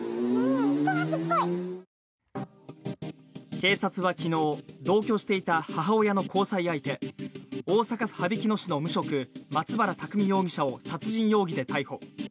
警察は昨日、同居していた母親の交際相手、大阪府羽曳野市の無職・松原拓海容疑者を殺人容疑で逮捕。